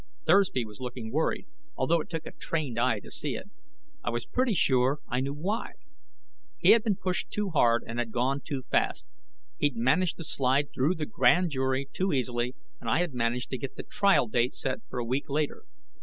Thursby was looking worried, although it took a trained eye to see it. I was pretty sure I knew why. He had been pushed too hard and had gone too fast. He'd managed to slide through the grand jury too easily, and I had managed to get the trial date set for a week later.